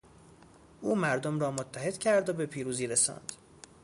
او مردم را متحد کرد و به پیروزی رساند.